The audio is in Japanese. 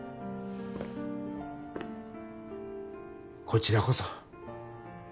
こちらこそ。